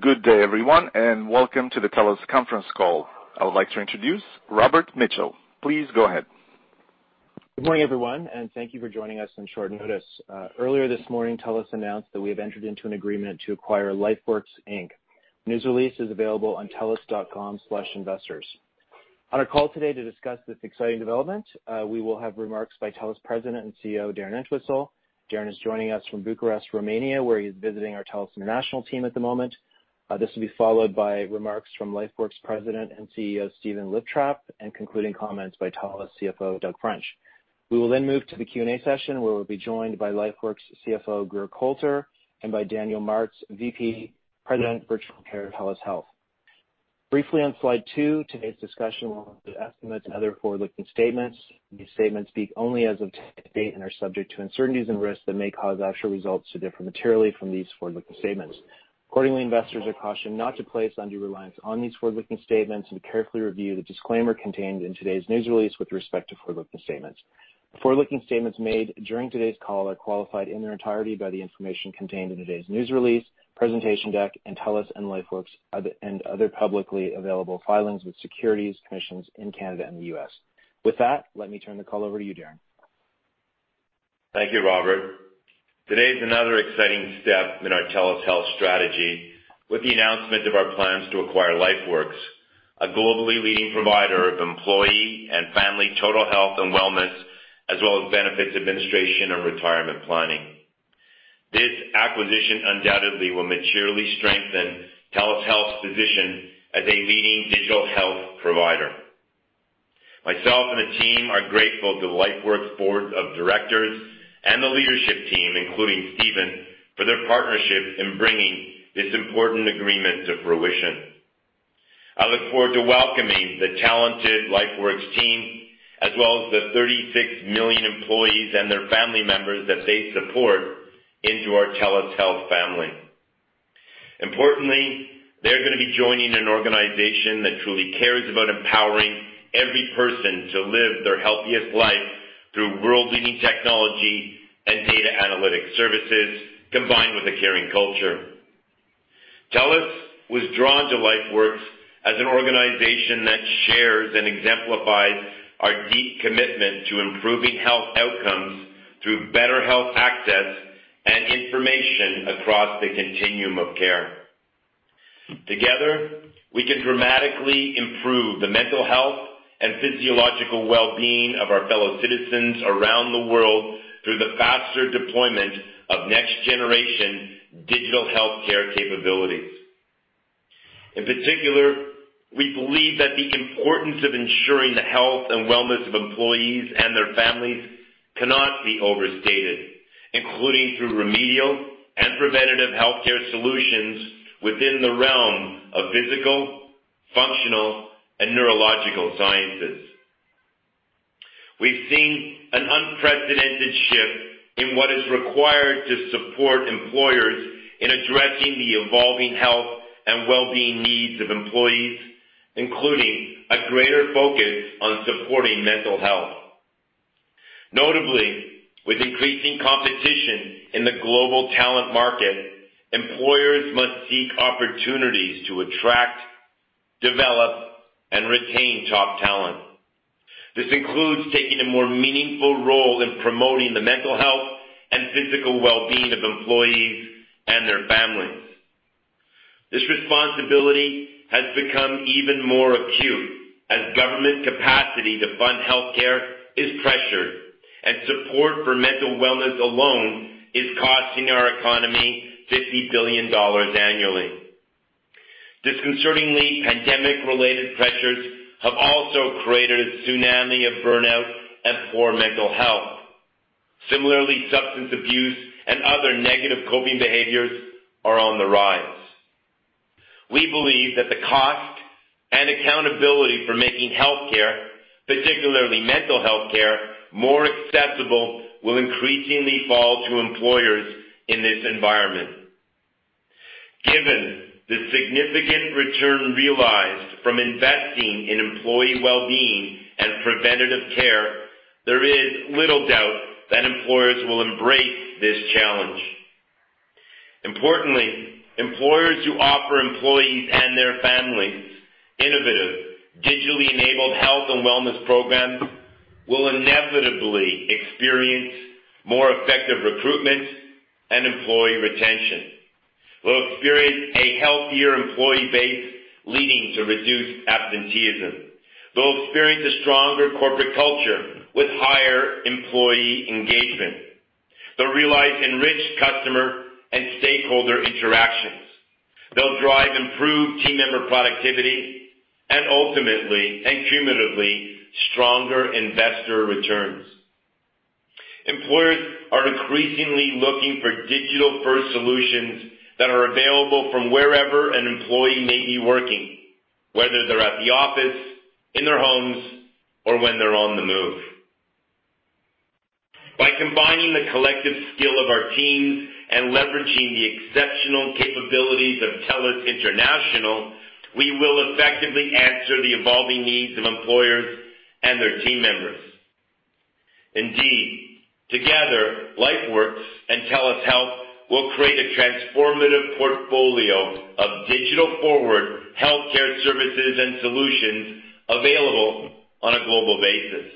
Good day, everyone, and welcome to the TELUS conference call. I would like to introduce Robert Mitchell. Please go ahead. Good morning, everyone, and thank you for joining us on short notice. Earlier this morning, TELUS announced that we have entered into an agreement to acquire LifeWorks Inc. News release is available on telus.com/investors. On our call today to discuss this exciting development, we will have remarks by TELUS President and CEO, Darren Entwistle. Darren is joining us from Bucharest, Romania, where he's visiting our TELUS International team at the moment. This will be followed by remarks from LifeWorks President and CEO, Stephen Liptrap, and concluding comments by TELUS CFO, Doug French. We will then move to the Q&A session, where we'll be joined by LifeWorks CFO, Grier Colter, and by Daniel Martz, Vice President, Virtual Care, TELUS Health. Briefly on slide two, today's discussion will include estimates and other forward-looking statements. These statements speak only as of today and are subject to uncertainties and risks that may cause actual results to differ materially from these forward-looking statements. Accordingly, investors are cautioned not to place undue reliance on these forward-looking statements and carefully review the disclaimer contained in today's news release with respect to forward-looking statements. Forward-looking statements made during today's call are qualified in their entirety by the information contained in today's news release, presentation deck and TELUS and LifeWorks and other publicly available filings with securities commissions in Canada and the U.S. With that, let me turn the call over to you, Darren. Thank you, Robert. Today is another exciting step in our TELUS Health strategy with the announcement of our plans to acquire LifeWorks, a globally leading provider of employee and family total health and wellness, as well as benefits administration and retirement planning. This acquisition undoubtedly will materially strengthen TELUS Health's position as a leading digital health provider. Myself and the team are grateful to the LifeWorks board of directors and the leadership team, including Stephen, for their partnership in bringing this important agreement to fruition. I look forward to welcoming the talented LifeWorks team, as well as the 36 million employees and their family members that they support into our TELUS Health family. Importantly, they're gonna be joining an organization that truly cares about empowering every person to live their healthiest life through world-leading technology and data analytics services combined with a caring culture. TELUS was drawn to LifeWorks as an organization that shares and exemplifies our deep commitment to improving health outcomes through better health access and information across the continuum of care. Together, we can dramatically improve the mental health and physiological well-being of our fellow citizens around the world through the faster deployment of next-generation digital healthcare capabilities. In particular, we believe that the importance of ensuring the health and wellness of employees and their families cannot be overstated, including through remedial and preventative healthcare solutions within the realm of physical, functional, and neurological sciences. We've seen an unprecedented shift in what is required to support employers in addressing the evolving health and well-being needs of employees, including a greater focus on supporting mental health. Notably, with increasing competition in the global talent market, employers must seek opportunities to attract, develop, and retain top talent. This includes taking a more meaningful role in promoting the mental health and physical well-being of employees and their families. This responsibility has become even more acute as government capacity to fund healthcare is pressured and support for mental wellness alone is costing our economy 50 billion dollars annually. Disconcertingly, pandemic-related pressures have also created a tsunami of burnout and poor mental health. Similarly, substance abuse and other negative coping behaviors are on the rise. We believe that the cost and accountability for making healthcare, particularly mental healthcare, more accessible, will increasingly fall to employers in this environment. Given the significant return realized from investing in employee well-being and preventative care, there is little doubt that employers will embrace this challenge. Importantly, employers who offer employees and their families innovative, digitally-enabled health and wellness programs will inevitably experience more effective recruitment and employee retention. Will experience a healthier employee base, leading to reduced absenteeism. They'll experience a stronger corporate culture with higher employee engagement. They'll realize enriched customer and stakeholder interactions. They'll drive improved team member productivity and ultimately and cumulatively, stronger investor returns. Employers are increasingly looking for digital-first solutions that are available from wherever an employee may be working, whether they're at the office, in their homes, or when they're on the move. By combining the collective skill of our teams and leveraging the exceptional capabilities of TELUS International, we will effectively answer the evolving needs of employers and their team members. Indeed, together, LifeWorks and TELUS Health will create a transformative portfolio of digital-forward healthcare services and solutions available on a global basis.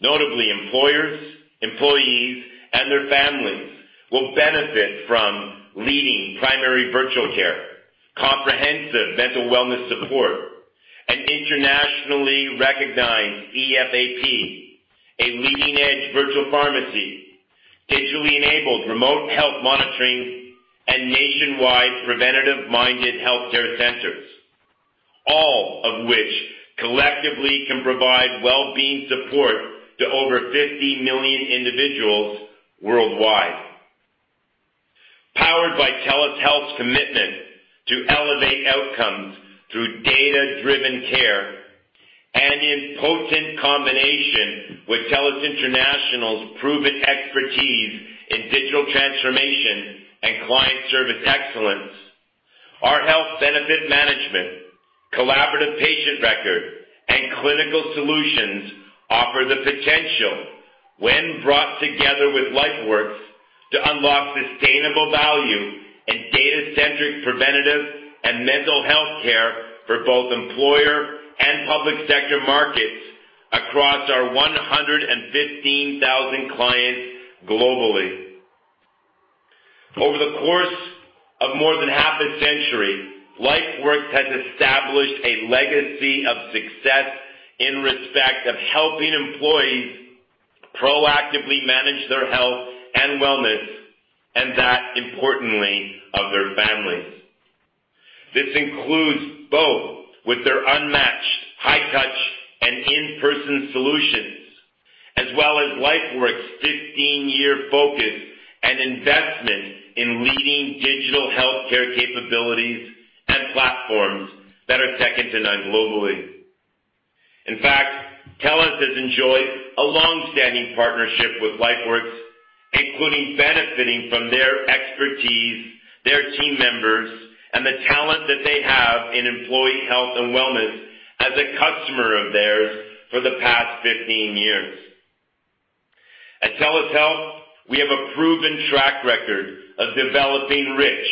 Notably, employers, employees and their families will benefit from leading primary virtual care, comprehensive mental wellness support, and internationally recognized EFAP, a leading-edge virtual pharmacy, digitally enabled remote health monitoring, and nationwide preventative-minded healthcare centers, all of which collectively can provide well-being support to over 50 million individuals worldwide. Powered by TELUS Health's commitment to elevate outcomes through data-driven care and in potent combination with TELUS International's proven expertise in digital transformation and client service excellence, our health benefit management, collaborative patient record, and clinical solutions offer the potential when brought together with LifeWorks to unlock sustainable value in data-centric, preventative and mental health care for both employer and public sector markets across our 115,000 clients globally. Over the course of more than half a century, LifeWorks has established a legacy of success in respect of helping employees proactively manage their health and wellness, and that, importantly, of their families. This includes both with their unmatched high-touch and in-person solutions, as well as LifeWorks' 15-year focus and investment in leading digital healthcare capabilities and platforms that are second to none globally. In fact, TELUS has enjoyed a long-standing partnership with LifeWorks, including benefiting from their expertise, their team members, and the talent that they have in employee health and wellness as a customer of theirs for the past 15 years. At TELUS Health, we have a proven track record of developing rich,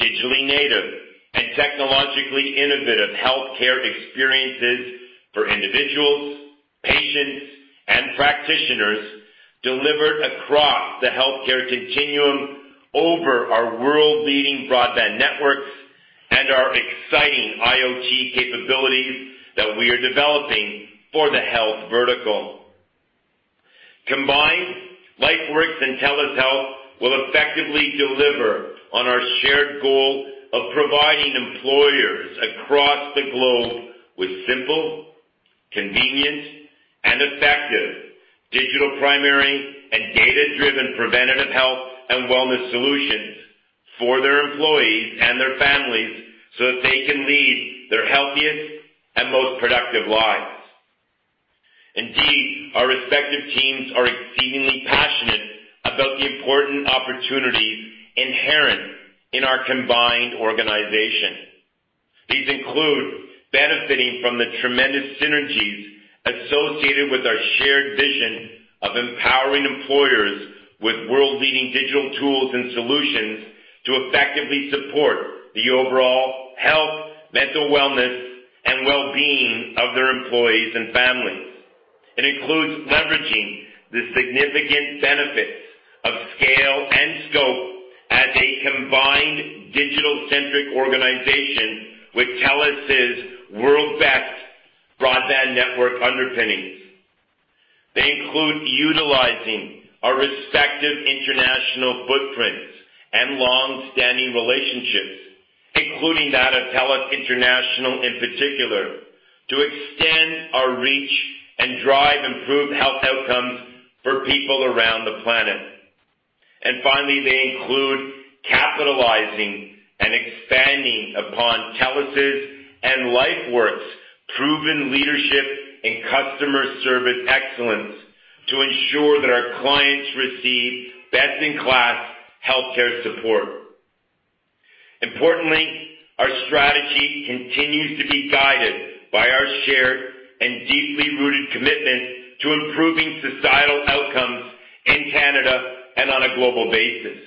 digitally native and technologically innovative healthcare experiences for individuals, patients and practitioners delivered across the healthcare continuum over our world-leading broadband networks and our exciting IoT capabilities that we are developing for the health vertical. Combined, LifeWorks and TELUS Health will effectively deliver on our shared goal of providing employers across the globe with simple, convenient and effective digital primary and data-driven preventative health and wellness solutions for their employees and their families so that they can lead their healthiest and most productive lives. Indeed, our respective teams are exceedingly passionate about the important opportunities inherent in our combined organization. These include benefiting from the tremendous synergies associated with our shared vision of empowering employers with world-leading digital tools and solutions to effectively support the overall health, mental wellness and well-being of their employees and families. It includes leveraging the significant benefits of scale and scope as a combined digital-centric organization with TELUS' world-best broadband network underpinnings. They include utilizing our respective international footprints and long-standing relationships, including that of TELUS International in particular, to extend our reach and drive improved health outcomes for people around the planet. Finally, they include capitalizing and expanding upon TELUS' and LifeWorks' proven leadership and customer service excellence to ensure that our clients receive best-in-class healthcare support. Importantly, our strategy continues to be guided by our shared and deeply rooted commitment to improving societal outcomes in Canada and on a global basis.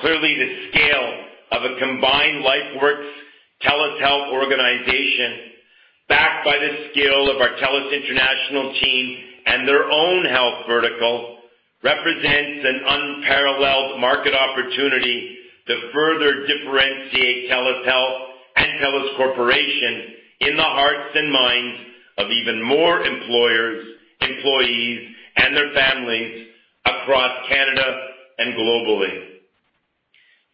Clearly, the scale of a combined LifeWorks-TELUS Health organization, backed by the skill of our TELUS International team and their own health vertical, represents an unparalleled market opportunity to further differentiate TELUS Health and TELUS Corporation in the hearts and minds of even more employers, employees and their families across Canada and globally.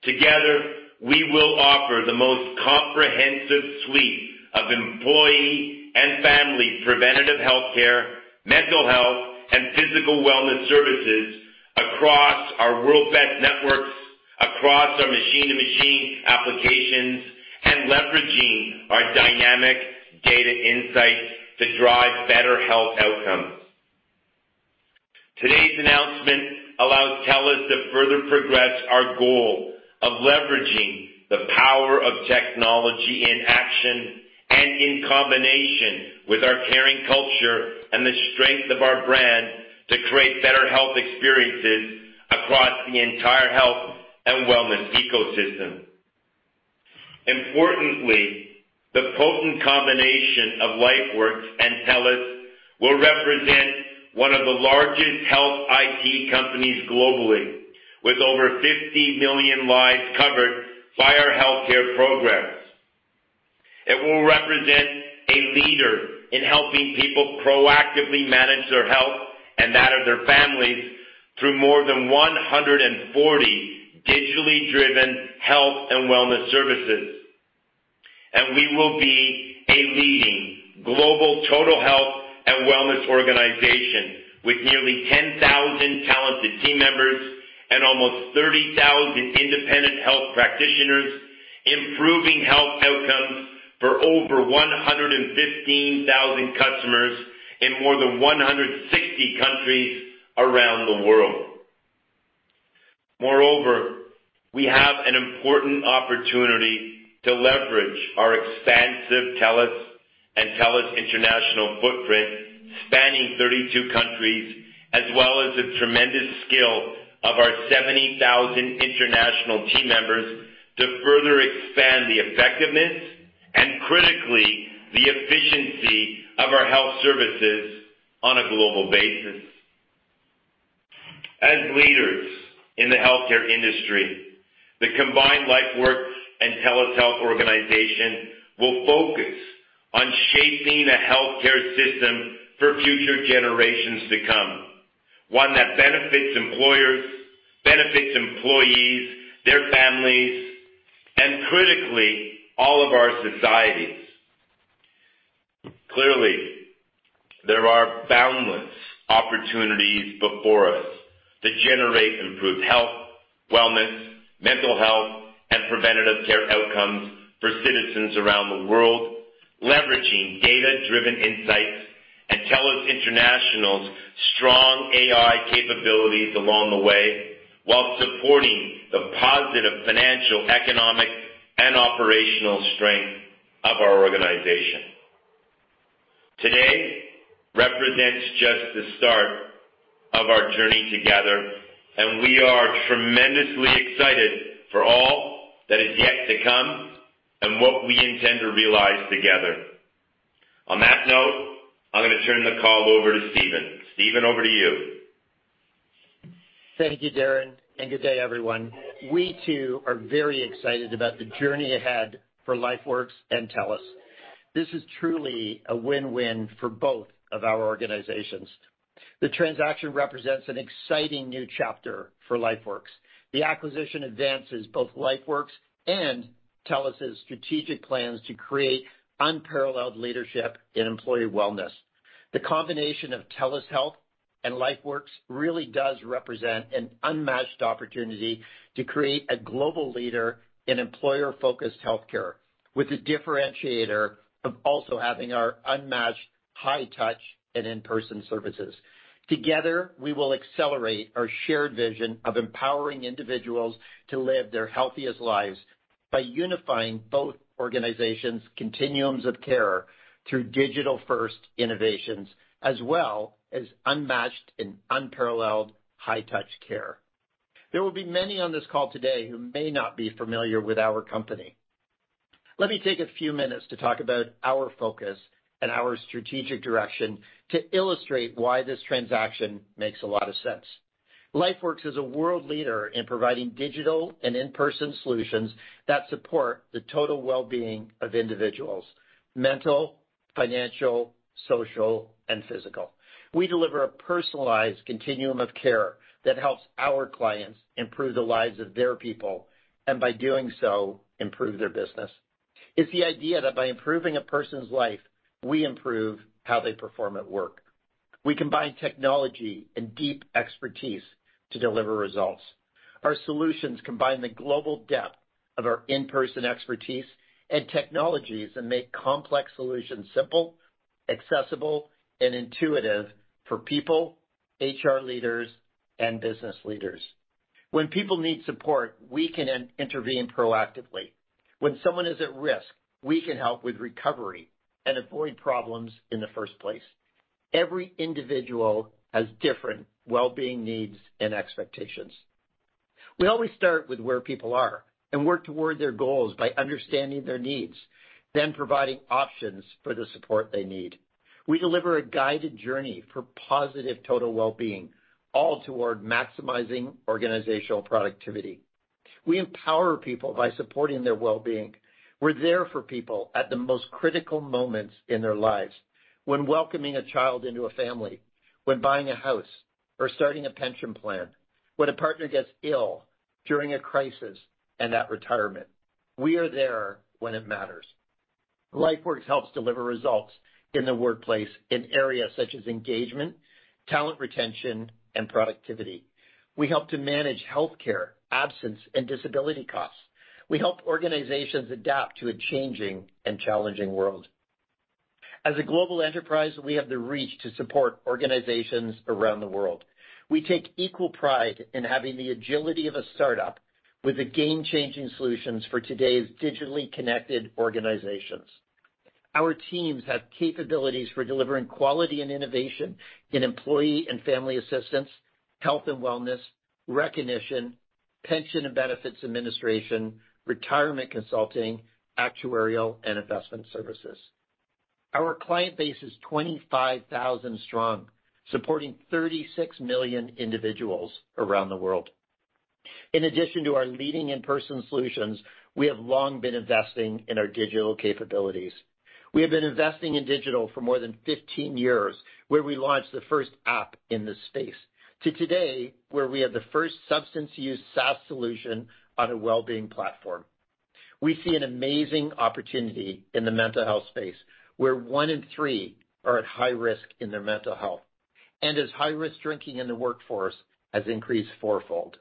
Together, we will offer the most comprehensive suite of employee and family preventative healthcare, mental health and physical wellness services across our world's best networks, across our machine-to-machine applications, and leveraging our dynamic data insights to drive better health outcomes. Today's announcement allows TELUS to further progress our goal of leveraging the power of technology in action and in combination with our caring culture and the strength of our brand to create better health experiences across the entire health and wellness ecosystem. Importantly, the potent combination of LifeWorks and TELUS will represent one of the largest health IT companies globally, with over 50 million lives covered by our healthcare programs. It will represent a leader in helping people proactively manage their health and that of their families through more than 140 digitally driven health and wellness services. We will be a leading global total health and wellness organization with nearly 10,000 talented team members and almost 30,000 independent health practitioners, improving health outcomes for over 115,000 customers in more than 160 countries around the world. Moreover, we have an important opportunity to leverage our expansive TELUS and TELUS International footprint spanning 32 countries, as well as the tremendous skill of our 70,000 international team members to further expand the effectiveness and critically, the efficiency of our health services on a global basis. As leaders in the healthcare industry, the combined LifeWorks and TELUS Health organization will focus on shaping a healthcare system for future generations to come, one that benefits employers, benefits employees, their families, and critically, all of our societies. Clearly, there are boundless opportunities before us to generate improved health, wellness, mental health, and preventative care outcomes for citizens around the world, leveraging data-driven insights and TELUS International's strong AI capabilities along the way, while supporting the positive financial, economic, and operational strength of our organization. Today represents just the start of our journey together, and we are tremendously excited for all that is yet to come and what we intend to realize together. On that note, I'm gonna turn the call over to Stephen. Stephen, over to you. Thank you, Darren, and good day, everyone. We, too, are very excited about the journey ahead for LifeWorks and TELUS. This is truly a win-win for both of our organizations. The transaction represents an exciting new chapter for LifeWorks. The acquisition advances both LifeWorks and TELUS' strategic plans to create unparalleled leadership in employee wellness. The combination of TELUS Health and LifeWorks really does represent an unmatched opportunity to create a global leader in employer-focused healthcare, with the differentiator of also having our unmatched high touch and in-person services. Together, we will accelerate our shared vision of empowering individuals to live their healthiest lives by unifying both organizations' continuums of care through digital-first innovations as well as unmatched and unparalleled high touch care. There will be many on this call today who may not be familiar with our company. Let me take a few minutes to talk about our focus and our strategic direction to illustrate why this transaction makes a lot of sense. LifeWorks is a world leader in providing digital and in-person solutions that support the total wellbeing of individuals, mental, financial, social, and physical. We deliver a personalized continuum of care that helps our clients improve the lives of their people, and by doing so, improve their business. It's the idea that by improving a person's life, we improve how they perform at work. We combine technology and deep expertise to deliver results. Our solutions combine the global depth of our in-person expertise and technologies and make complex solutions simple, accessible, and intuitive for people, HR leaders, and business leaders. When people need support, we can intervene proactively. When someone is at risk, we can help with recovery and avoid problems in the first place. Every individual has different wellbeing needs and expectations. We always start with where people are and work toward their goals by understanding their needs, then providing options for the support they need. We deliver a guided journey for positive total wellbeing, all toward maximizing organizational productivity. We empower people by supporting their wellbeing. We're there for people at the most critical moments in their lives. When welcoming a child into a family, when buying a house or starting a pension plan, when a partner gets ill, during a crisis, and at retirement. We are there when it matters. LifeWorks helps deliver results in the workplace in areas such as engagement, talent retention, and productivity. We help to manage healthcare, absence, and disability costs. We help organizations adapt to a changing and challenging world. As a global enterprise, we have the reach to support organizations around the world. We take equal pride in having the agility of a startup with the game-changing solutions for today's digitally connected organizations. Our teams have capabilities for delivering quality and innovation in employee and family assistance, health and wellness, recognition, pension and benefits administration, retirement consulting, actuarial, and investment services. Our client base is 25,000 strong, supporting 36 million individuals around the world. In addition to our leading in-person solutions, we have long been investing in our digital capabilities. We have been investing in digital for more than 15 years, where we launched the first app in this space, to today, where we have the first substance use SaaS solution on a well-being platform. We see an amazing opportunity in the mental health space, where one in three are at high risk in their mental health, and as high risk drinking in the workforce has increased fourfold.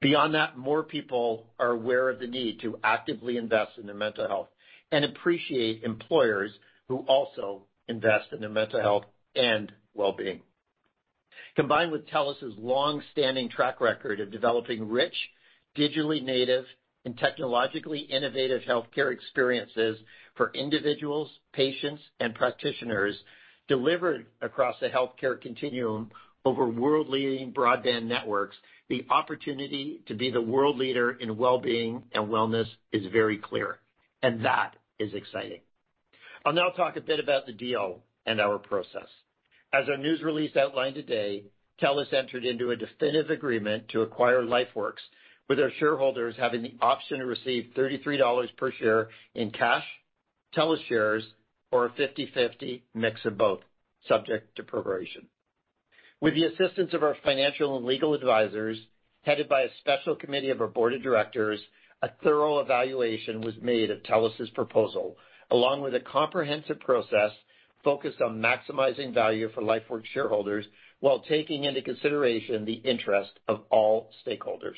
Beyond that, more people are aware of the need to actively invest in their mental health and appreciate employers who also invest in their mental health and well-being. Combined with TELUS's long-standing track record of developing rich, digitally native, and technologically innovative healthcare experiences for individuals, patients, and practitioners delivered across the healthcare continuum over world-leading broadband networks, the opportunity to be the world leader in well-being and wellness is very clear, and that is exciting. I'll now talk a bit about the deal and our process. As our news release outlined today, TELUS entered into a definitive agreement to acquire LifeWorks, with our shareholders having the option to receive 33 dollars per share in cash, TELUS shares, or a 50/50 mix of both, subject to proration. With the assistance of our financial and legal advisors, headed by a special committee of our board of directors, a thorough evaluation was made of TELUS's proposal, along with a comprehensive process focused on maximizing value for LifeWorks shareholders while taking into consideration the interest of all stakeholders.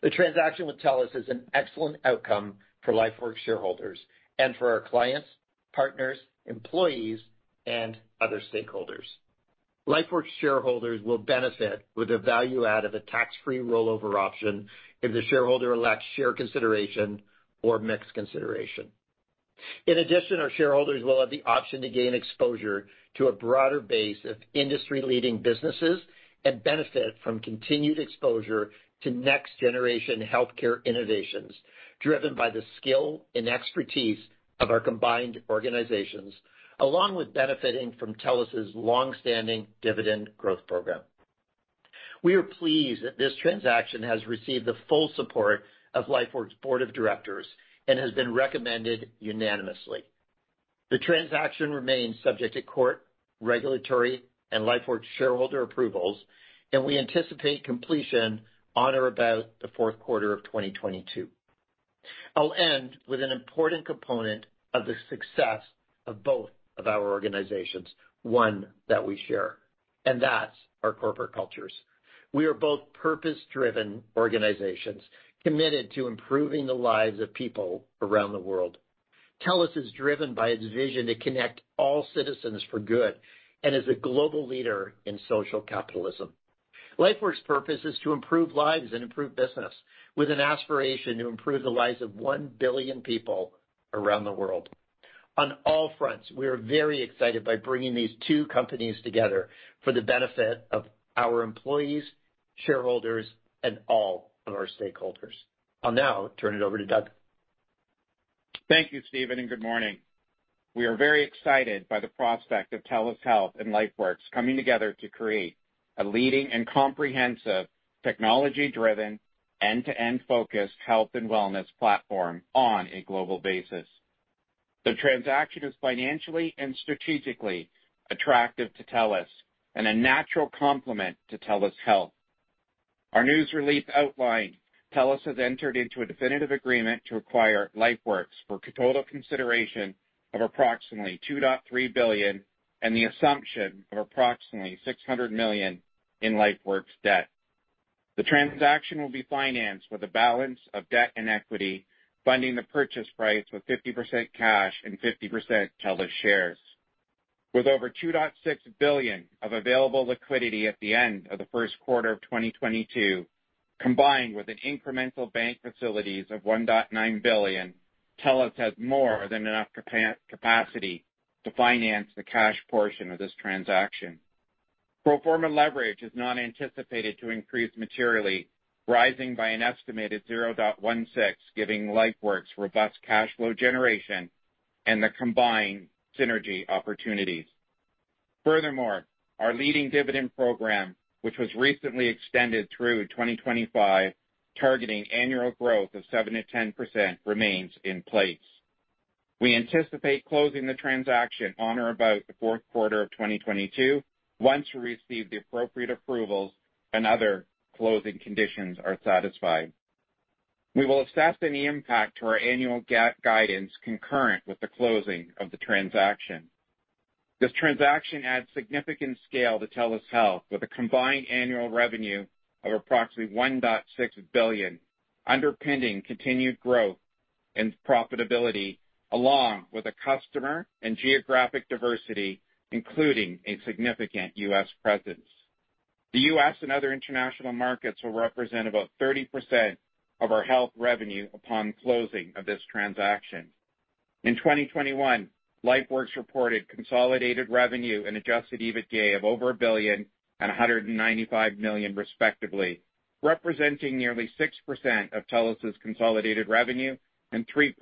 The transaction with TELUS is an excellent outcome for LifeWorks shareholders and for our clients, partners, employees, and other stakeholders. LifeWorks shareholders will benefit with the value add of a tax-free rollover option if the shareholder elects share consideration or mixed consideration. In addition, our shareholders will have the option to gain exposure to a broader base of industry-leading businesses and benefit from continued exposure to next-generation healthcare innovations driven by the skill and expertise of our combined organizations, along with benefiting from TELUS's long-standing dividend growth program. We are pleased that this transaction has received the full support of LifeWorks' board of directors and has been recommended unanimously. The transaction remains subject to court, regulatory, and LifeWorks shareholder approvals, and we anticipate completion on or about the fourth quarter of 2022. I'll end with an important component of the success of both of our organizations, one that we share, and that's our corporate cultures. We are both purpose-driven organizations committed to improving the lives of people around the world. TELUS is driven by its vision to connect all citizens for good and is a global leader in social capitalism. LifeWorks' purpose is to improve lives and improve business with an aspiration to improve the lives of one billion people around the world. On all fronts, we are very excited by bringing these two companies together for the benefit of our employees, shareholders, and all of our stakeholders. I'll now turn it over to Doug. Thank you, Stephen, and good morning. We are very excited by the prospect of TELUS Health and LifeWorks coming together to create a leading and comprehensive, technology-driven, end-to-end focused health and wellness platform on a global basis. The transaction is financially and strategically attractive to TELUS and a natural complement to TELUS Health. Our news release outlined TELUS has entered into a definitive agreement to acquire LifeWorks for total consideration of approximately 2.3 billion and the assumption of approximately 600 million in LifeWorks debt. The transaction will be financed with a balance of debt and equity, funding the purchase price with 50% cash and 50% TELUS shares. With over 2.6 billion of available liquidity at the end of the first quarter of 2022, combined with an incremental bank facilities of 1.9 billion, TELUS has more than enough capacity to finance the cash portion of this transaction. Pro forma leverage is not anticipated to increase materially, rising by an estimated 0.16, giving LifeWorks robust cash flow generation and the combined synergy opportunities. Furthermore, our leading dividend program, which was recently extended through 2025, targeting annual growth of 7%-10% remains in place. We anticipate closing the transaction on or about the fourth quarter of 2022 once we receive the appropriate approvals and other closing conditions are satisfied. We will assess any impact to our annual GAAP guidance concurrent with the closing of the transaction. This transaction adds significant scale to TELUS Health with a combined annual revenue of approximately 1.6 billion, underpinning continued growth and profitability along with a customer and geographic diversity, including a significant U.S. presence. The U.S. and other international markets will represent about 30% of our health revenue upon closing of this transaction. In 2021, LifeWorks reported consolidated revenue and adjusted EBITDA of over 1 billion and 195 million respectively, representing nearly 6% of TELUS's consolidated revenue and 3%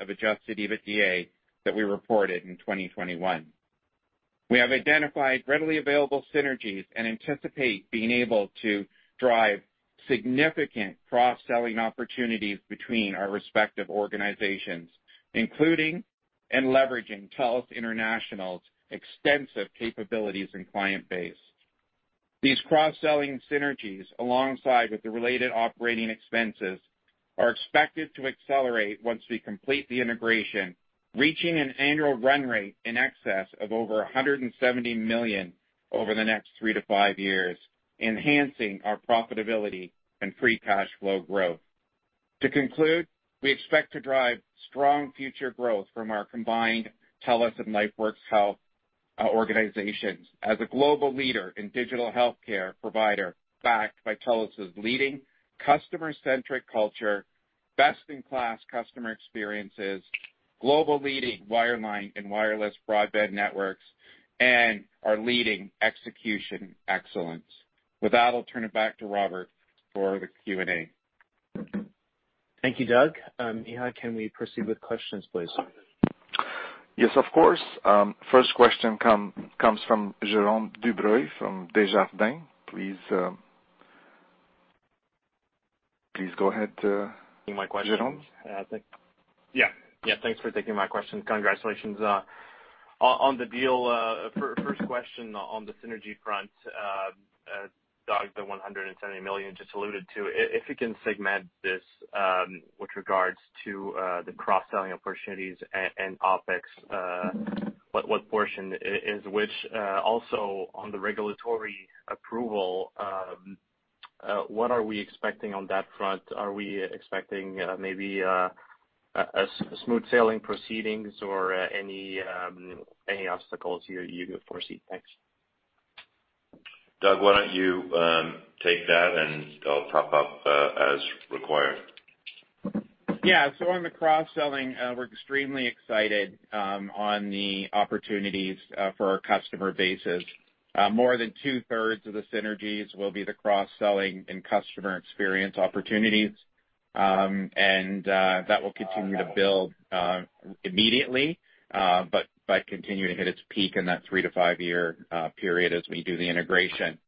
of adjusted EBITDA that we reported in 2021. We have identified readily available synergies and anticipate being able to drive significant cross-selling opportunities between our respective organizations, including and leveraging TELUS International's extensive capabilities and client base. These cross-selling synergies, alongside with the related operating expenses, are expected to accelerate once we complete the integration, reaching an annual run rate in excess of over 170 million over the next three to five years, enhancing our profitability and free cash flow growth. To conclude, we expect to drive strong future growth from our combined TELUS and LifeWorks Health organizations as a global leader in digital healthcare provider backed by TELUS's leading customer-centric culture, best-in-class customer experiences, global leading wireline and wireless broadband networks, and our leading execution excellence. With that, I'll turn it back to Robert for the Q&A. Thank you, Doug. Mihai, can we proceed with questions, please? Yes, of course. First question comes from Jérôme Dubreuil from Desjardins. Please go ahead, Jérôme. Thanks for taking my question. Congratulations on the deal. First question on the synergy front, Doug, the 170 million just alluded to. If you can segment this, with regards to, the cross-selling opportunities and OpEx, what portion is which? Also on the regulatory approval, what are we expecting on that front? Are we expecting maybe a smooth sailing proceedings or any obstacles here you could foresee? Thanks. Doug, why don't you take that and I'll top up as required. Yeah. On the cross-selling, we're extremely excited on the opportunities for our customer bases. More than two-thirds of the synergies will be the cross-selling and customer experience opportunities, and that will continue to build immediately, but by continuing to hit its peak in that three to five-year period as we do the integration.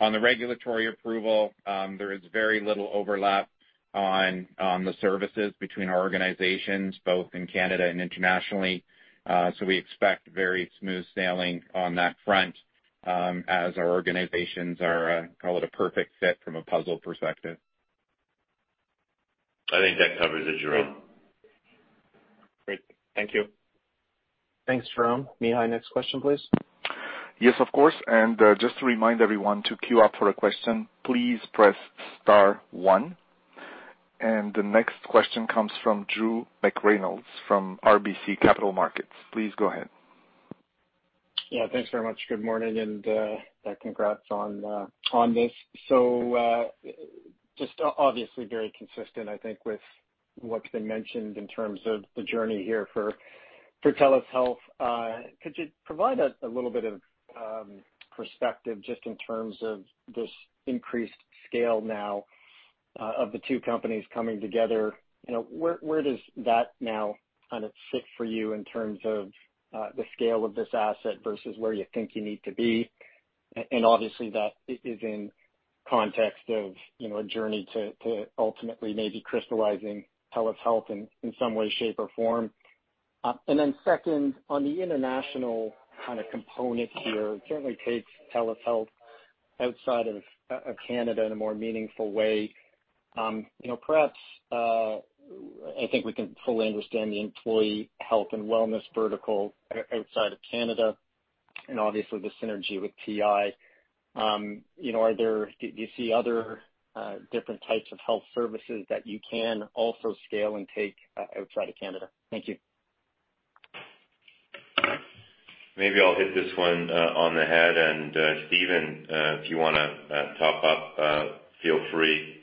On the regulatory approval, there is very little overlap on the services between our organizations, both in Canada and internationally. We expect very smooth sailing on that front, as our organizations are call it a perfect fit from a puzzle perspective. I think that covers it, Jérome. Great. Thank you. Thanks, Jérome. Mihai, next question, please. Yes, of course. Just to remind everyone to queue up for a question, please press star one. The next question comes from Drew McReynolds from RBC Capital Markets. Please go ahead. Yeah, thanks very much. Good morning. Congrats on this. Just obviously very consistent, I think, with what's been mentioned in terms of the journey here for TELUS Health. Could you provide a little bit of perspective just in terms of this increased scale now of the two companies coming together? You know, where does that now kind of sit for you in terms of the scale of this asset versus where you think you need to be? Obviously that is in context of, you know, a journey to ultimately maybe crystallizing TELUS Health in some way, shape, or form. Then second, on the international kind of component here, it certainly takes TELUS Health outside of Canada in a more meaningful way. You know, perhaps, I think we can fully understand the employee health and wellness vertical outside of Canada and obviously the synergy with TI. You know, do you see other different types of health services that you can also scale and take outside of Canada? Thank you. Maybe I'll hit this one on the head, and Stephen, if you wanna top up, feel free.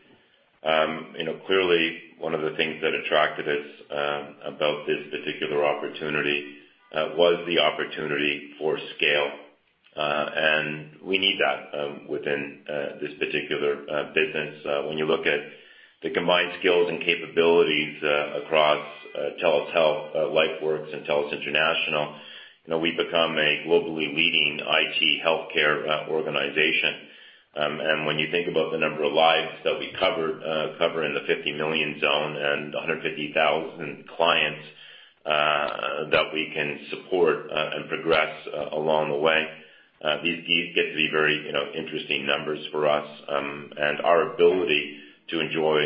You know, clearly one of the things that attracted us about this particular opportunity was the opportunity for scale. We need that within this particular business. When you look at the combined skills and capabilities across TELUS Health, LifeWorks and TELUS International, you know, we become a globally leading IT healthcare organization. When you think about the number of lives that we cover in the 50 million zone and 150,000 clients that we can support and progress along the way, these get to be very, you know, interesting numbers for us, and our ability to enjoy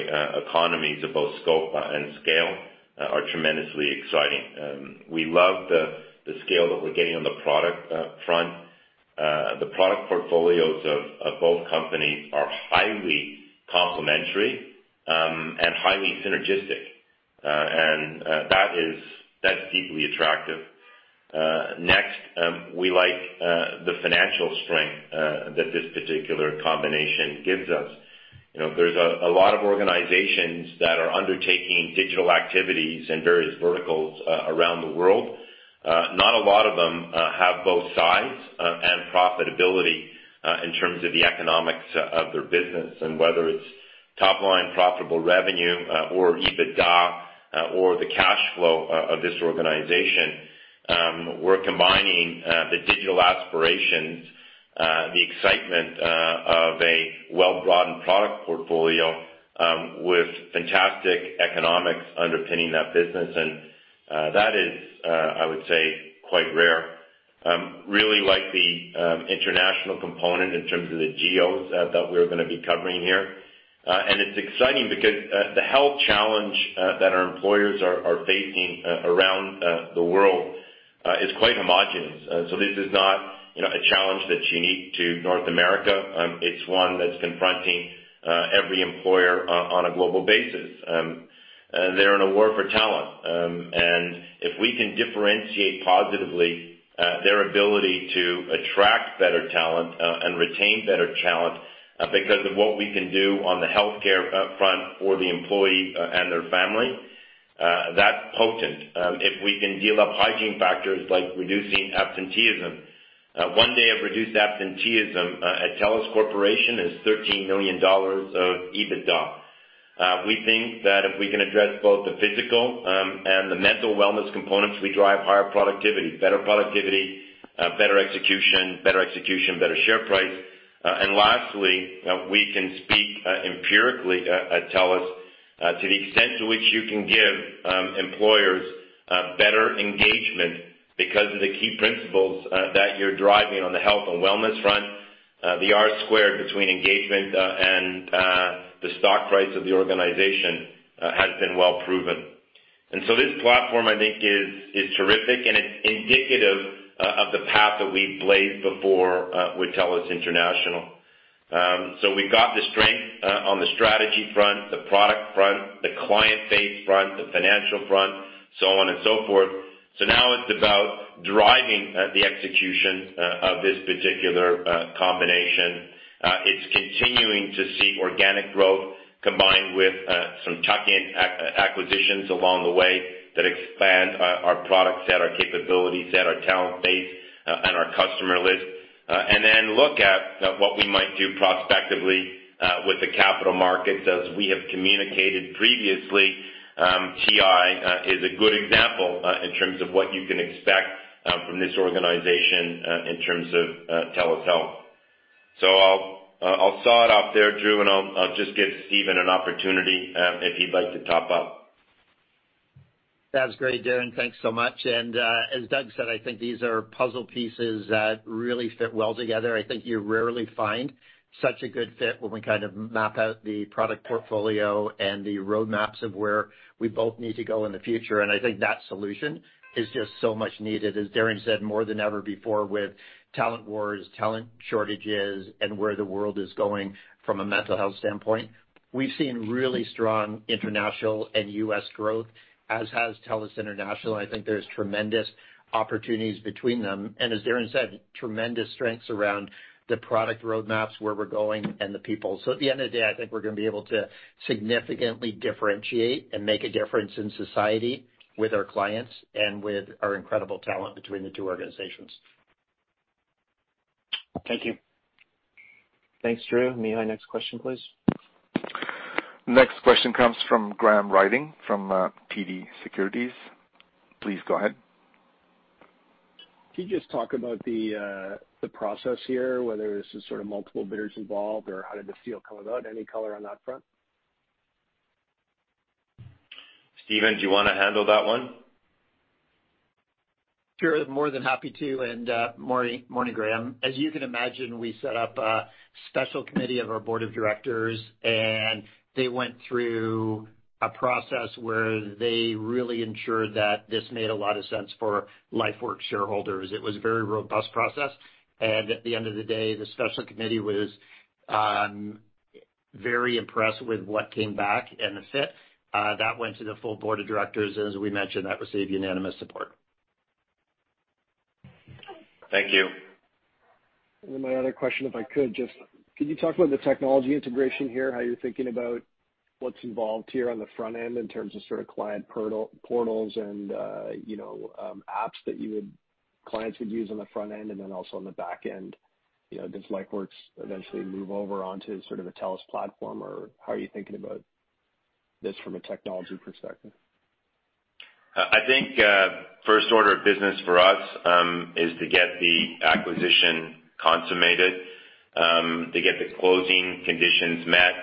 economies of both scope and scale are tremendously exciting. We love the scale that we're getting on the product front. The product portfolios of both companies are highly complementary and highly synergistic, and that is deeply attractive. Next, we like the financial strength that this particular combination gives us. You know, there's a lot of organizations that are undertaking digital activities in various verticals around the world. Not a lot of them have both size and profitability in terms of the economics of their business. Whether it's top line profitable revenue or EBITDA or the cash flow of this organization, we're combining the digital aspirations, the excitement of a well-broadened product portfolio with fantastic economics underpinning that business. That is, I would say, quite rare. Really like the international component in terms of the geos that we're gonna be covering here. It's exciting because the health challenge that our employers are facing around the world is quite homogeneous. This is not, you know, a challenge that's unique to North America. It's one that's confronting every employer on a global basis. They're in a war for talent. If we can differentiate positively their ability to attract better talent and retain better talent because of what we can do on the healthcare front for the employee and their family, that's potent. If we can give up hygiene factors like reducing absenteeism. One day of reduced absenteeism at TELUS Corporation is 13 million dollars of EBITDA. We think that if we can address both the physical and the mental wellness components, we drive higher productivity. Better productivity, better execution, better share price. Lastly, we can speak empirically at TELUS to the extent to which you can give employers better engagement because of the key principles that you're driving on the health and wellness front. The R squared between engagement and the stock price of the organization has been well proven. This platform I think is terrific and it's indicative of the path that we've blazed before with TELUS International. We've got the strength on the strategy front, the product front, the client base front, the financial front, so on and so forth. Now it's about driving the execution of this particular combination. It's continuing to see organic growth combined with some tuck-in acquisitions along the way that expand our product set, our capability set, our talent base and our customer list. Then look at what we might do prospectively with the capital markets. As we have communicated previously, TI is a good example in terms of what you can expect from this organization in terms of TELUS Health. I'll sign off there, Drew, and I'll just give Stephen an opportunity if he'd like to top up. That's great, Darren. Thanks so much. As Doug said, I think these are puzzle pieces that really fit well together. I think you rarely find such a good fit when we kind of map out the product portfolio and the roadmaps of where we both need to go in the future. I think that solution is just so much needed, as Darren said, more than ever before with talent wars, talent shortages, and where the world is going from a mental health standpoint. We've seen really strong international and U.S. growth, as has TELUS International. I think there's tremendous opportunities between them. As Darren said, tremendous strengths around the product roadmaps, where we're going, and the people. At the end of the day, I think we're gonna be able to significantly differentiate and make a difference in society with our clients and with our incredible talent between the two organizations. Thank you. Thanks, Drew. Mihai, next question, please. Next question comes from Graham Ryding from TD Securities. Please go ahead. Can you just talk about the process here, whether this is sort of multiple bidders involved or how did this deal come about? Any color on that front? Stephen, do you wanna handle that one? Sure. More than happy to. Morning, morning Graham. As you can imagine, we set up a special committee of our board of directors, and they went through a process where they really ensured that this made a lot of sense for LifeWorks shareholders. It was a very robust process. At the end of the day, the special committee was very impressed with what came back and the fit. That went to the full board of directors. As we mentioned, that received unanimous support. Thank you. My other question, if I could just, can you talk about the technology integration here, how you're thinking about what's involved here on the front end in terms of sort of client portals and, you know, apps that clients would use on the front end and then also on the back end? You know, does LifeWorks eventually move over onto sort of a TELUS platform, or how are you thinking about this from a technology perspective? I think first order of business for us is to get the acquisition consummated. To get the closing conditions met,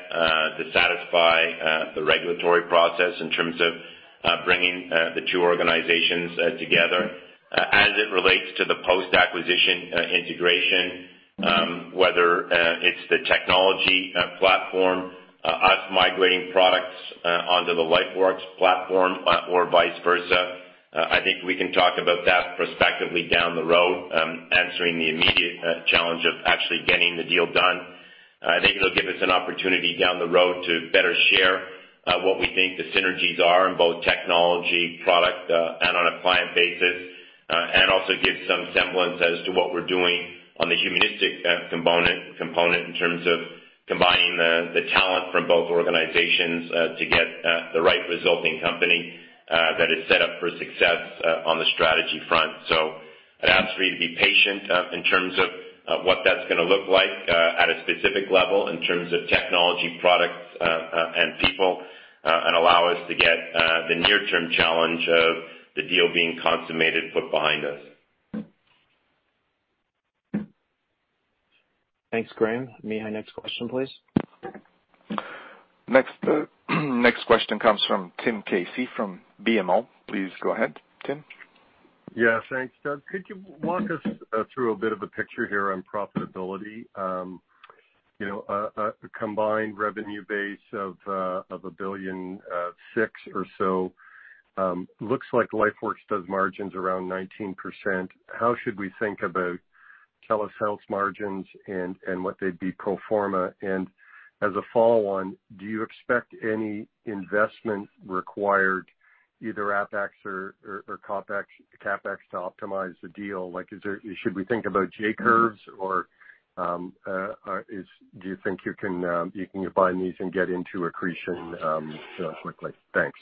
to satisfy the regulatory process in terms of bringing the two organizations together. As it relates to the post-acquisition integration, whether it's the technology platform, us migrating products onto the LifeWorks platform, or vice versa, I think we can talk about that prospectively down the road, answering the immediate challenge of actually getting the deal done. I think it'll give us an opportunity down the road to better share what we think the synergies are in both technology, product and on a client basis. Also give some semblance as to what we're doing on the humanistic component in terms of combining the talent from both organizations to get the right resulting company that is set up for success on the strategy front. I'd ask for you to be patient in terms of what that's gonna look like at a specific level in terms of technology, products and people and allow us to get the near-term challenge of the deal being consummated put behind us. Thanks, Graham. Mihai, next question, please. Next question comes from Tim Casey from BMO. Please go ahead, Tim. Yeah, thanks, Doug. Could you walk us through a bit of a picture here on profitability? You know, a combined revenue base of 1.6 billion or so looks like LifeWorks does margins around 19%. How should we think about TELUS Health's margins and what they'd be pro forma? As a follow-on, do you expect any investment required, either OpEx or CapEx to optimize the deal? Like, is there. Should we think about J-curves or, do you think you can combine these and get into accretion, you know, quickly? Thanks.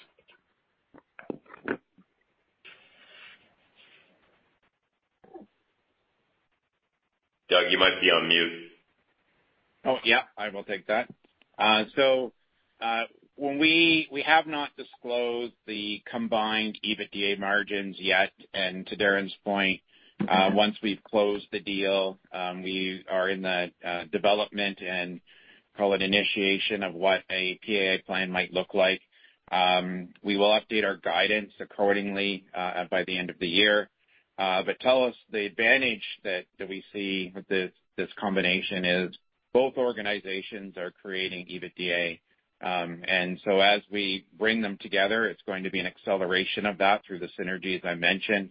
Doug, you might be on mute. Oh, yeah, I will take that. We have not disclosed the combined EBITDA margins yet. To Darren's point, once we've closed the deal, we are in the development and call it initiation of what a PPA plan might look like. We will update our guidance accordingly by the end of the year. TELUS, the advantage that we see with this combination is both organizations are creating EBITDA. As we bring them together, it's going to be an acceleration of that through the synergies I mentioned.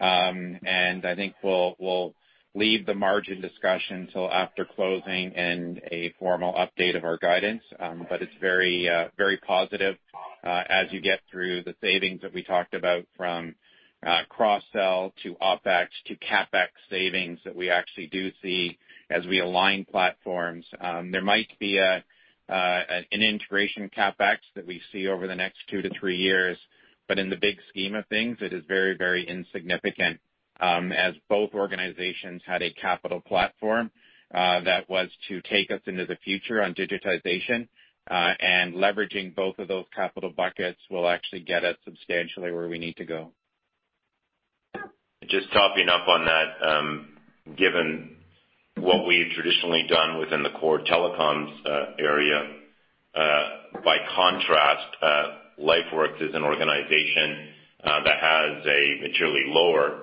I think we'll leave the margin discussion till after closing and a formal update of our guidance. It's very positive as you get through the savings that we talked about from cross-sell to OpEx to CapEx savings that we actually do see as we align platforms. There might be an integration CapEx that we see over the next two to three years, but in the big scheme of things, it is very, very insignificant, as both organizations had a capital platform that was to take us into the future on digitization. Leveraging both of those capital buckets will actually get us substantially where we need to go. Just topping up on that, given what we've traditionally done within the core telecoms area, by contrast, LifeWorks is an organization that has a materially lower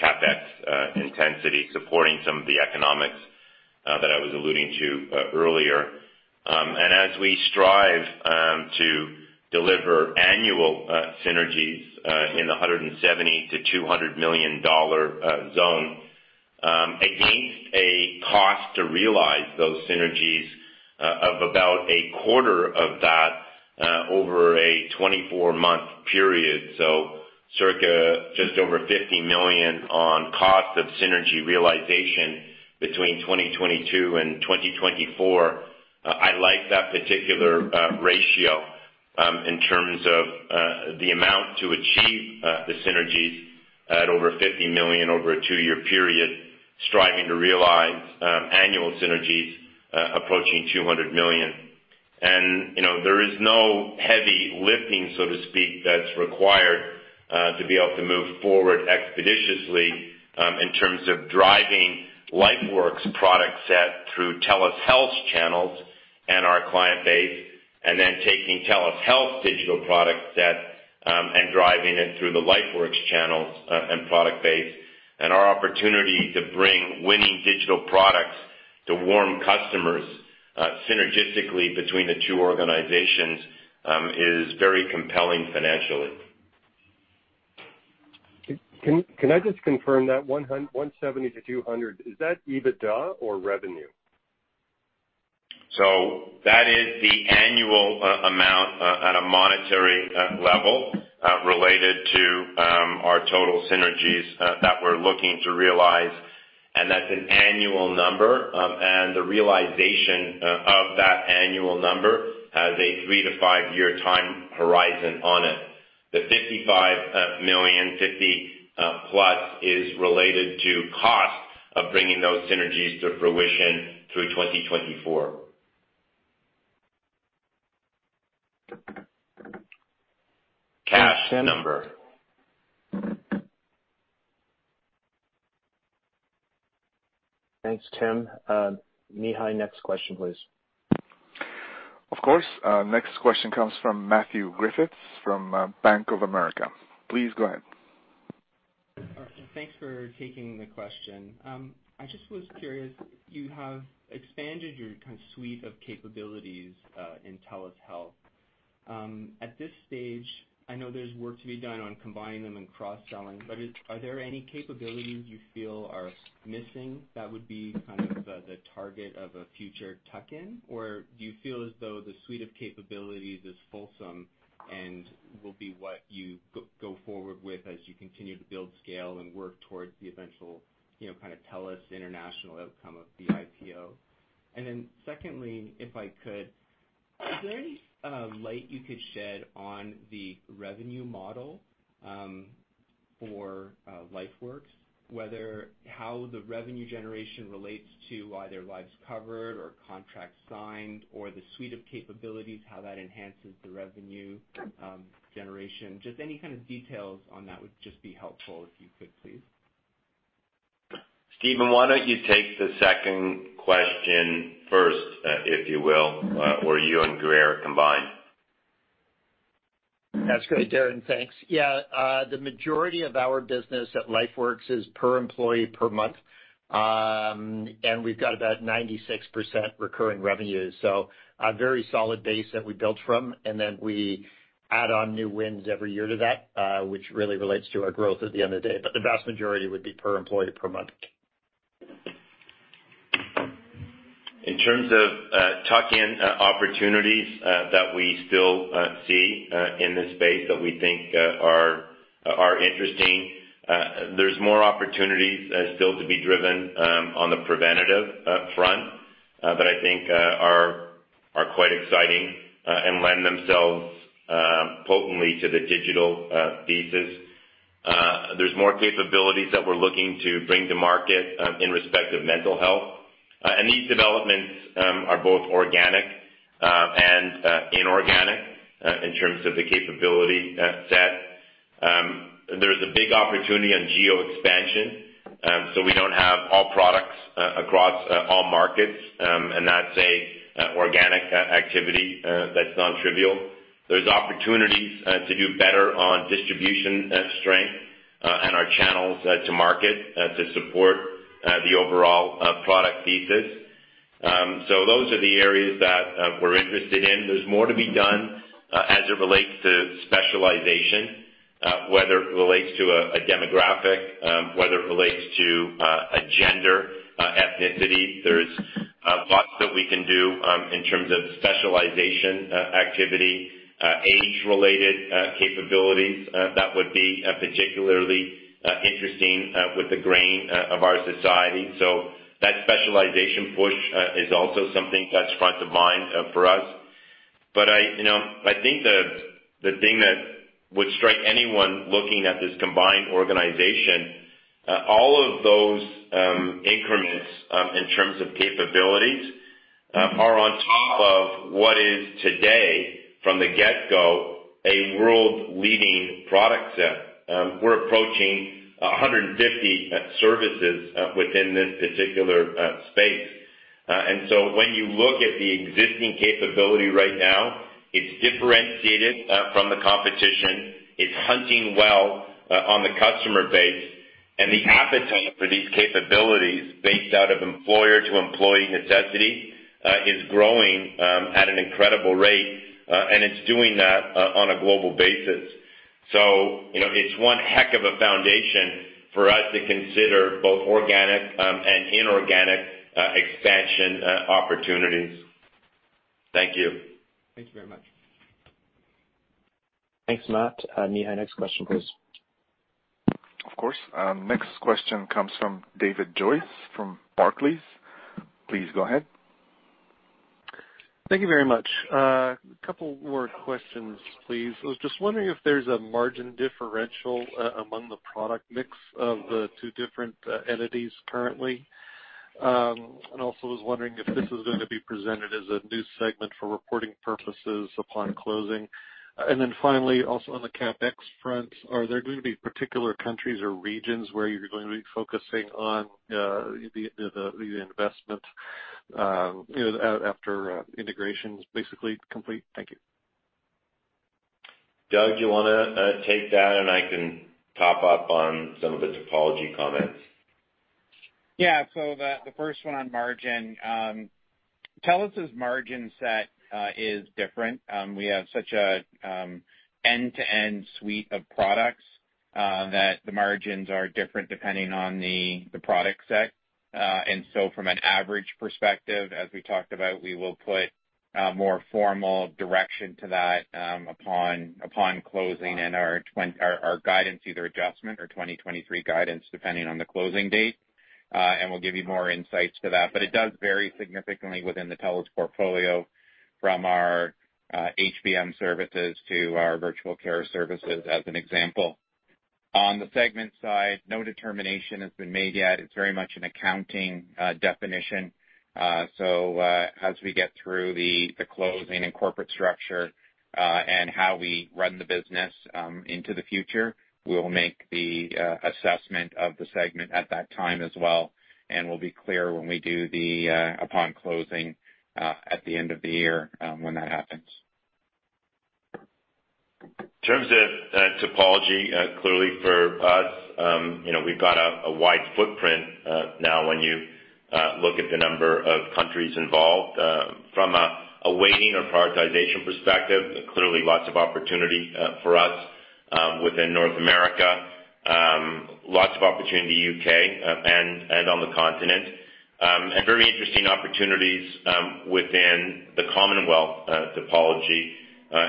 CapEx intensity supporting some of the economics that I was alluding to earlier. As we strive to deliver annual synergies in the 170 million-200 million dollar zone, against a cost to realize those synergies of about a quarter of that over a 24-month period, so circa just over 50 million on cost of synergy realization between 2022 and 2024, I like that particular ratio in terms of the amount to achieve the synergies at over 50 million over a two-year period, striving to realize annual synergies approaching 200 million. You know, there is no heavy lifting, so to speak, that's required to be able to move forward expeditiously in terms of driving LifeWorks' product set through TELUS Health's channels and our client base, and then taking TELUS Health's digital product set and driving it through the LifeWorks channels and product base. Our opportunity to bring winning digital products to warm customers synergistically between the two organizations is very compelling financially. Can I just confirm that 170 million-200 million, is that EBITDA or revenue? That is the annual amount at a monetary level related to our total synergies that we're looking to realize, and that's an annual number. The realization of that annual number has a three to five year time horizon on it. The 55 million, 50+ is related to cost of bringing those synergies to fruition through 2024. Cash number. Thanks, Tim. Mihai, next question, please. Of course. Next question comes from Matthew Griffiths from Bank of America. Please go ahead. All right. Thanks for taking the question. I just was curious, you have expanded your kind of suite of capabilities in TELUS Health. At this stage, I know there's work to be done on combining them and cross-selling, but are there any capabilities you feel are missing that would be kind of the target of a future tuck-in? Or do you feel as though the suite of capabilities is fulsome and will be what you go forward with as you continue to build scale and work towards the eventual, you know, kind of TELUS International outcome of the IPO? Secondly, if I could, is there any light you could shed on the revenue model for LifeWorks, whether how the revenue generation relates to either lives covered or contracts signed or the suite of capabilities, how that enhances the revenue generation? Just any kind of details on that would just be helpful if you could please. Stephen, why don't you take the second question first, if you will, where you and Grier combine. That's great, Darren. Thanks. Yeah. The majority of our business at LifeWorks is per employee per month. And we've got about 96% recurring revenue. A very solid base that we built from, and then we add on new wins every year to that, which really relates to our growth at the end of the day. The vast majority would be per employee per month. In terms of tuck-in opportunities that we still see in this space that we think are interesting, there's more opportunities still to be driven on the preventive front that I think are quite exciting and lend themselves potentially to the digital thesis. There's more capabilities that we're looking to bring to market in respect of mental health. These developments are both organic and inorganic in terms of the capability set. There's a big opportunity on geo expansion. We don't have all products across all markets, and that's an organic activity that's non-trivial. There's opportunities to do better on distribution strength and our channels to market to support the overall product thesis. Those are the areas that we're interested in. There's more to be done as it relates to specialization, whether it relates to a demographic, whether it relates to a gender, ethnicity. There's lots that we can do in terms of specialization, activity, age-related capabilities that would be particularly interesting with the grain of our society. That specialization push is also something that's front of mind for us. But I, you know, I think the thing that would strike anyone looking at this combined organization, all of those increments in terms of capabilities are on top of what is today, from the get-go, a world leading product set. We're approaching 150 services within this particular space. When you look at the existing capability right now, it's differentiated from the competition, it's hunting well on the customer base, and the appetite for these capabilities based out of employer to employee necessity is growing at an incredible rate, and it's doing that on a global basis. You know, it's one heck of a foundation for us to consider both organic and inorganic expansion opportunities. Thank you. Thank you very much. Thanks, Matt. Mihai, next question, please. Of course. Next question comes from David Joyce from Barclays. Please go ahead. Thank you very much. A couple more questions, please. I was just wondering if there's a margin differential among the product mix of the two different entities currently. I was also wondering if this is gonna be presented as a new segment for reporting purposes upon closing. Finally, also on the CapEx front, are there going to be particular countries or regions where you're going to be focusing on the investment you know after integration is basically complete? Thank you. Doug, do you wanna take that and I can top up on some of the topology comments? The first one on margin. TELUS' margin set is different. We have such a end-to-end suite of products that the margins are different depending on the product set. From an average perspective, as we talked about, we will put more formal direction to that upon closing and our guidance, either adjustment or 2023 guidance, depending on the closing date. We'll give you more insights to that. But it does vary significantly within the TELUS portfolio from our HBM services to our virtual care services as an example. On the segment side, no determination has been made yet. It's very much an accounting definition. As we get through the closing and corporate structure, and how we run the business into the future, we'll make the assessment of the segment at that time as well. We'll be clear when we do, upon closing at the end of the year, when that happens. In terms of topology, clearly for us, you know, we've got a wide footprint, now when you look at the number of countries involved. From a weighting or prioritization perspective, clearly lots of opportunity for us within North America. Lots of opportunity U.K., and on the continent. Very interesting opportunities within the Commonwealth topology,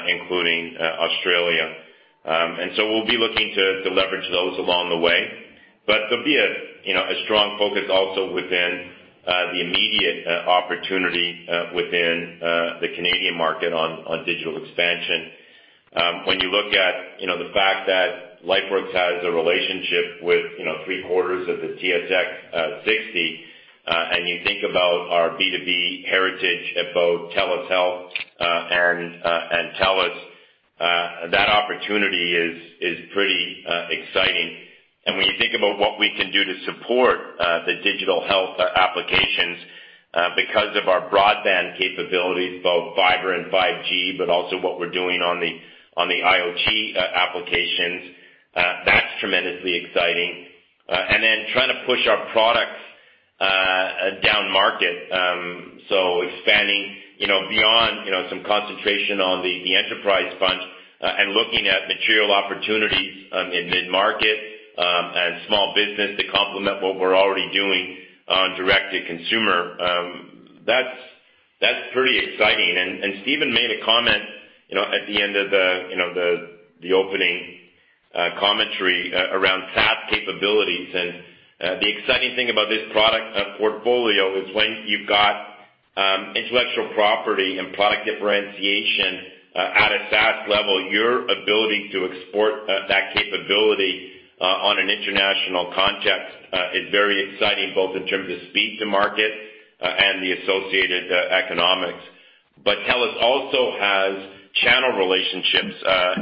including Australia. We'll be looking to leverage those along the way. There'll be a, you know, a strong focus also within the immediate opportunity within the Canadian market on digital expansion. When you look at, you know, the fact that LifeWorks has a relationship with, you know, three-quarters of the TSX 60, and you think about our B2B heritage at both TELUS Health and TELUS, that opportunity is pretty exciting. When you think about what we can do to support the digital health applications because of our broadband capabilities, both fiber and 5G, but also what we're doing on the IoT applications, that's tremendously exciting. Then trying to push our products down market, so expanding, you know, beyond, you know, some concentration on the enterprise front, and looking at material opportunities in mid-market and small business to complement what we're already doing on direct-to-consumer, that's pretty exciting. Stephen made a comment, you know, at the end of the opening commentary around SaaS capabilities. The exciting thing about this product portfolio is when you've got intellectual property and product differentiation at a SaaS level, your ability to export that capability on an international context is very exciting, both in terms of speed to market and the associated economics. TELUS also has channel relationships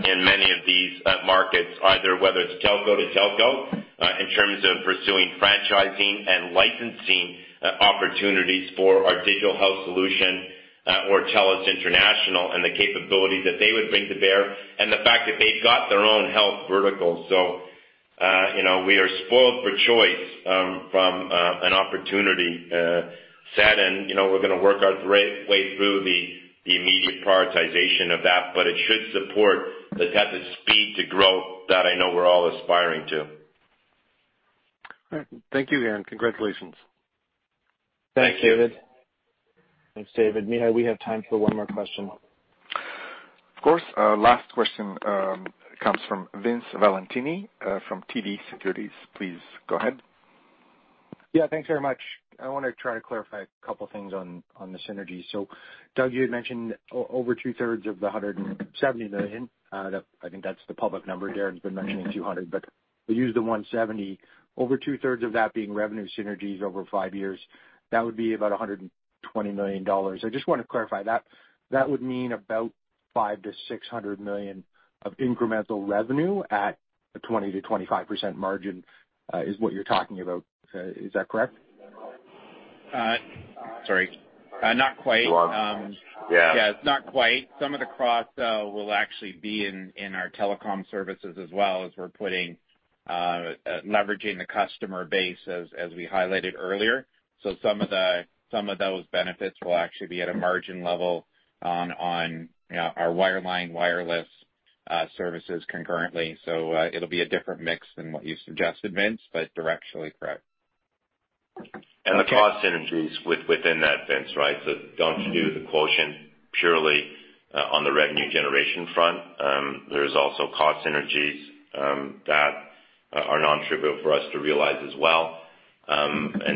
in many of these markets, either whether it's telco to telco in terms of pursuing franchising and licensing opportunities for our digital health solution or TELUS International and the capabilities that they would bring to bear and the fact that they've got their own health vertical. You know, we are spoiled for choice from an opportunity set. You know, we're gonna work our way through the immediate prioritization of that, but it should support the type of speed to growth that I know we're all aspiring to. Alright. Thank you, Darren. Congratulations. Thanks David. Thanks David. Mihai, we have time for one more question. Of course. Last question comes from Vince Valentini from TD Securities. Please go ahead. Yeah, thanks very much. I wanna try to clarify a couple things on the synergy. Doug, you had mentioned over two-thirds of the 170 million, that I think that's the public number. Darren's been mentioning 200 million, but we'll use the 170 million. Over two-thirds of that being revenue synergies over five years, that would be about 120 million dollars. I just wanna clarify. That would mean about 500 million-600 million of incremental revenue at a 20%-25% margin is what you're talking about. Is that correct? Sorry. Not quite. You are on mute. Yeah. Yeah, it's not quite. Some of the cross-sell will actually be in our telecom services as well as we're leveraging the customer base as we highlighted earlier. Some of those benefits will actually be at a margin level on our wireline, wireless services concurrently. It'll be a different mix than what you suggested, Vince, but directionally correct. The cost synergies within that, Vince, right? Don't do the quotient purely on the revenue generation front. There's also cost synergies that are non-trivial for us to realize as well.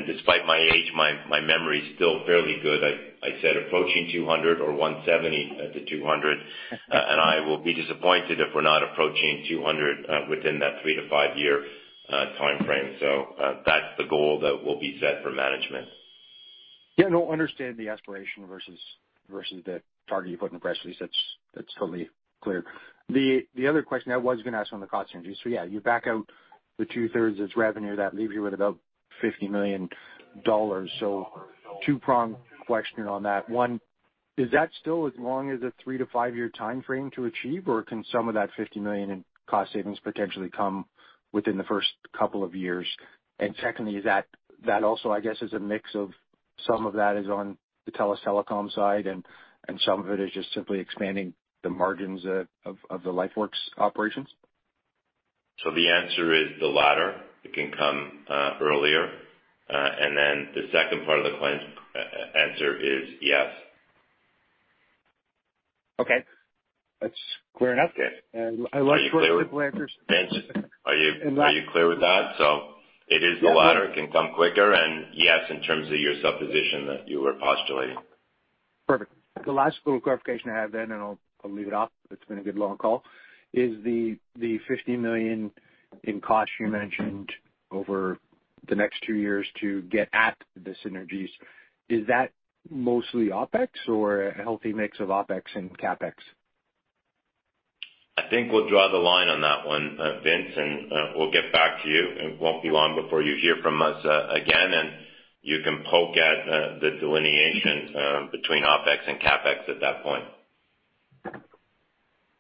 Despite my age, my memory is still fairly good. I said approaching 200 million or 170 million-200 million, and I will be disappointed if we're not approaching 200 million within that three to five-year timeframe. That's the goal that will be set for management. Yeah, no, understand the aspiration versus the target you put in the press release. That's totally clear. The other question I was gonna ask on the cost synergies. Yeah, you back out the two-thirds as revenue, that leaves you with about 50 million dollars. Two-prong question on that. One, is that still as long as a three to five-year timeframe to achieve, or can some of that 50 million in cost savings potentially come within the first couple of years? Secondly, that also, I guess, is a mix of some of that is on the TELUS Telecom side and some of it is just simply expanding the margins of the LifeWorks operations? The answer is the latter. It can come earlier. The second part of the answer is yes. Okay. That's clear enough. Okay. Are you clear, Vince? Are you clear with that? It is the latter. It can come quicker. Yes, in terms of your supposition that you were postulating. Perfect. The last little clarification I have then, and I'll leave it off, it's been a good long call. Is the 50 million in costs you mentioned over the next two years to get at the synergies, is that mostly OpEx or a healthy mix of OpEx and CapEx? I think we'll draw the line on that one, Vince, and we'll get back to you. It won't be long before you hear from us, again, and you can poke at the delineation between OpEx and CapEx at that point.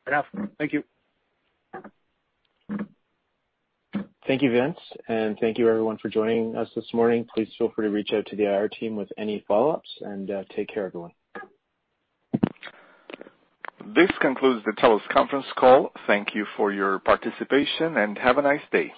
Fair enough. Thank you. Thank you, Vince, and thank you everyone for joining us this morning. Please feel free to reach out to the IR team with any follow-ups and take care, everyone. This concludes the TELUS conference call. Thank you for your participation and have a nice day.